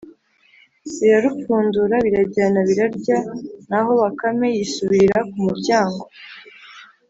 birarupfundura, birajyana birarya naho bakame yisubirira ku muryango